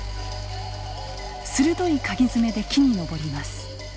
鋭いかぎ爪で木に登ります。